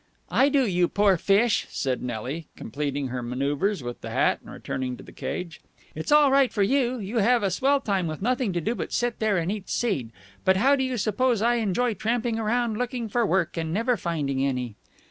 "I do, you poor fish!" said Nelly, completing her manoeuvres with the hat and turning to the cage. "It's all right for you you have a swell time with nothing to do but sit there and eat seed but how do you suppose I enjoy tramping around looking for work and never finding any?"